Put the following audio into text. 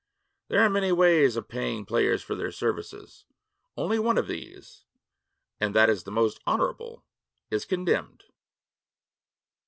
There are many ways of paying players for their services. Only one of these, and that the most honorable, is condemned.